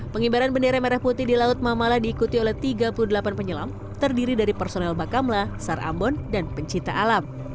pengibaran bendera merah putih di laut mamala diikuti oleh tiga puluh delapan penyelam terdiri dari personel bakamla sar ambon dan pencipta alam